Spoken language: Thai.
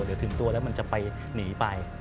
เดี๋ยวถึงตัวแล้วมันจะไปหนีไป